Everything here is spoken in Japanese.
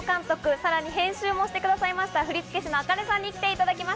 さらに編集もしてくださいました振付師のａｋａｎｅさんに来ていただきました。